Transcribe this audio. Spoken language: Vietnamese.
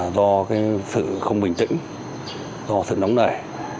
do sự không bình tĩnh do sự nóng nảy